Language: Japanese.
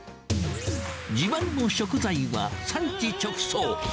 自慢の食材は、産地直送。